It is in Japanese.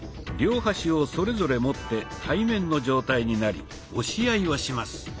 両端をそれぞれ持って対面の状態になり押し合いをします。